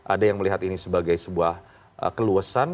ada yang melihat ini sebagai sebuah keluasan